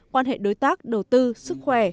quan hệ đối tác đầu tư sức khỏe